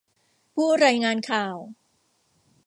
ผู้รายงานข่าว